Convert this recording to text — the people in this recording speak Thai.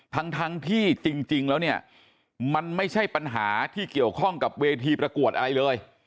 ทั้งที่จริงแล้วเนี่ยมันไม่ใช่ปัญหาที่เกี่ยวข้องกับเวทีประกวดอะไรเลย